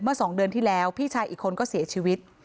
๒เดือนที่แล้วพี่ชายอีกคนก็เสียชีวิต